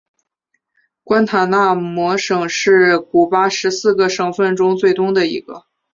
关塔那摩省是古巴十四个省份中最东的一个。